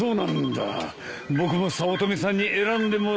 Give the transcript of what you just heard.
僕も早乙女さんに選んでもらおうと思ってね。